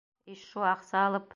Ишшу аҡса алып...